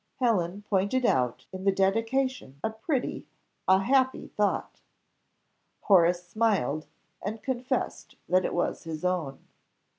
Helen pointed out in the dedication a pretty, a happy thought. Horace smiled, and confessed that was his own.